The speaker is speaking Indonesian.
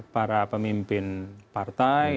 para pemimpin partai